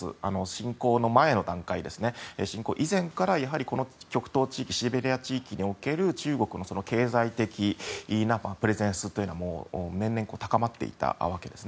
侵攻の前の段階で侵攻以前から極東地域シベリア地域における中国の経済的なプレゼンスというのは年々高まっていたわけです。